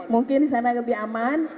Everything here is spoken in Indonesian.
mungkin disana lebih aman